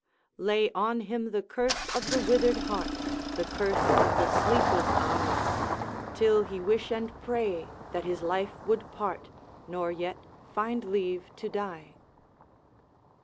'Lay on him the curse of the withered heart, The curse of the sleepless eye; Till he wish and pray that his life would part, Nor yet find leave to die.'